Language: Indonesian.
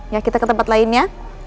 ya kita ke tempat lain ya